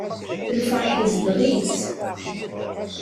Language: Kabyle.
Lferḥ izdeɣ-itt.